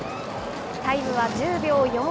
タイムは１０秒４１。